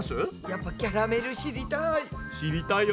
やっぱキャラメル知りたい。